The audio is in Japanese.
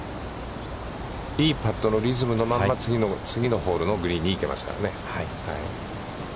いいパットのリズムのまま、次のホールのグリーンに行けますからね。